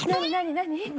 何？